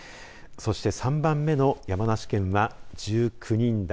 そして、３番目の山梨県は１９人台。